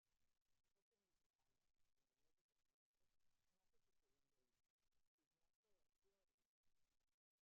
Ese mismo año, en el mes de septiembre, nace su segundo hijo, Ignacio García-Ergüín.